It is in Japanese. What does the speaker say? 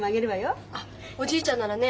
あっおじいちゃんならね